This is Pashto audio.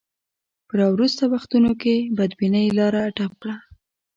په راوروسته وختونو کې بدبینۍ لاره ډب کړه.